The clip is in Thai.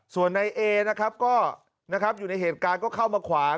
ส่วนในเอนะครับก็นะครับอยู่ในเหตุการณ์ก็เข้ามาขวาง